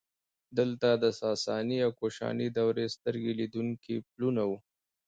دلته د ساساني او کوشاني دورې سترګې لیدونکي پلونه وو